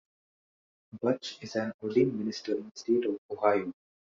Butch is an ordained minister in the state of Ohio.